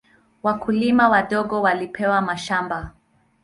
Wakulima wadogo walipewa mashamba.